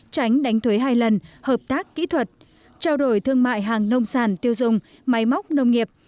tránh đánh thuế hai lần hợp tác kỹ thuật trao đổi thương mại hàng nông sản tiêu dùng máy móc nông nghiệp